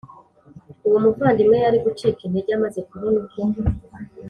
uwo muvandimwe yari gucika intege amaze kubona uko